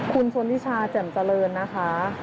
คุณชนทิชาแจ่มเจริญนะคะ